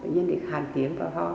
nhân định hàn tiếng